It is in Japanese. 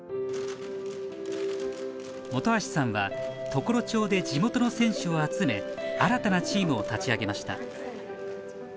本橋さんは常呂町で地元の選手を集め新たなチームを立ち上げました。